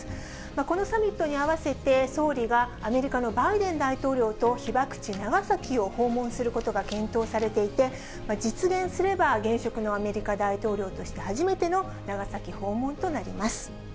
このサミットに合わせて、総理がアメリカのバイデン大統領と被爆地、長崎を訪問することが検討されていて、実現すれば、現職のアメリカ大統領として初めての長崎訪問となります。